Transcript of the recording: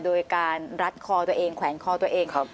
โดยการรัดคอตัวเองแขวนคอตัวเอง